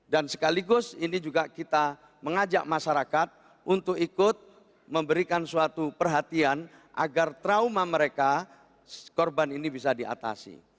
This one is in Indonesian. dan sekaligus ini juga kita mengajak masyarakat untuk ikut memberikan suatu perhatian agar trauma mereka korban ini bisa diatasi